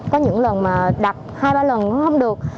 có những lần mà đặt hai ba lần nó không được